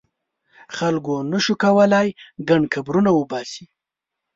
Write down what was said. خلکو نه شو کولای ګڼ قبرونه وباسي.